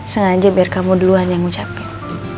sengaja biar kamu duluan yang ngucapin